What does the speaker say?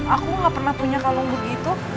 aku gak pernah punya kalong begitu